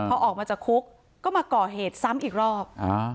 พอออกมาจากคุกก็มาก่อเหตุซ้ำอีกรอบ